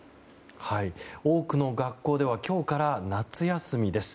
多くの学校では今日から夏休みです。